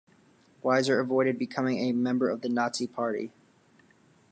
Weiser avoided becoming a member of the Nazi Party.